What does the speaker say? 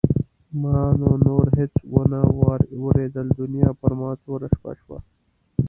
ما نو نور هېڅ وانه ورېدل دنیا پر ما توره شپه شوه.